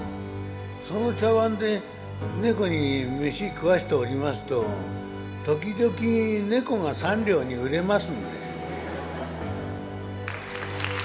その茶わんで猫に飯食わせておりますと時々猫が３両に売れますんで」。